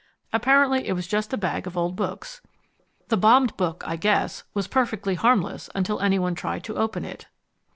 Apparently it was just a bag of old books. The bombed book, I guess, was perfectly harmless until any one tried to open it."